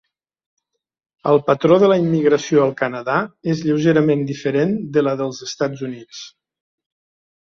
El patró de la immigració al Canadà és lleugerament diferent de la dels Estats Units.